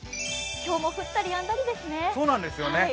今日も降ったりやんだりですね。